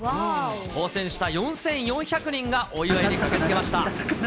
当せんした４４００人がお祝いに駆けつけました。